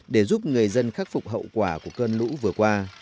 để giúp người dân khắc phục hậu quả của cơn lũ vừa qua